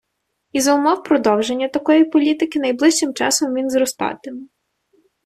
І за умов продовження такої політики найближчим часом він зростатиме.